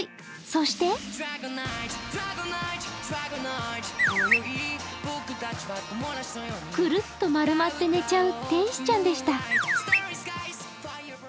そしてくるっと丸まって寝ちゃう天使ちゃんでした。